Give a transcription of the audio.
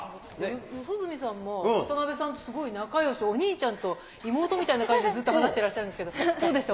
四十住さんも、渡辺さんとすごい仲よし、お兄ちゃんと妹みたいな感じでずっと話してらっしゃるんですけど、どうでした？